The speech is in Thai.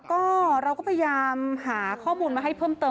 ก็เราก็พยายามหาข้อมูลมาให้เพิ่มเติม